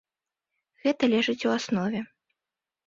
Гэта ляжыць у аснове.